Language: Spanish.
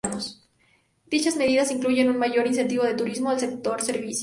Dichas medidas incluyen un mayor incentivo al turismo y al sector servicios.